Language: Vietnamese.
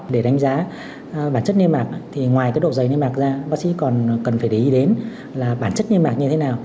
để đánh giá bản chất niêm mạc thì ngoài cái độ dày liên mạc ra bác sĩ còn cần phải để ý đến là bản chất liên mạc như thế nào